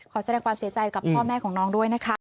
แสดงความเสียใจกับพ่อแม่ของน้องด้วยนะคะ